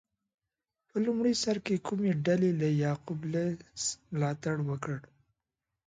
په لومړي سر کې کومې ډلې له یعقوب لیث ملاتړ وکړ؟